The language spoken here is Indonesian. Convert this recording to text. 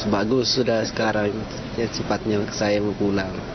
bagus sudah sekarang cepatnya saya mau pulang